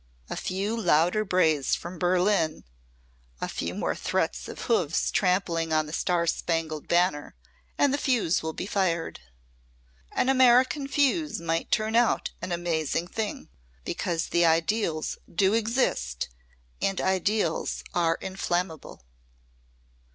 A few louder brays from Berlin, a few more threats of hoofs trampling on the Star Spangled Banner and the fuse will be fired. An American fuse might turn out an amazing thing because the ideals do exist and ideals are inflammable."